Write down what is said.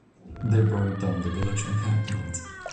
They burned down the village encampment.